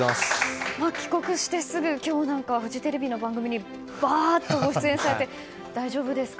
帰国してすぐ今日、フジテレビの番組にばーっとご出演されて大丈夫ですか。